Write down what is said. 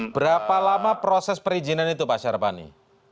berapa lama proses perizinan itu pak syarpani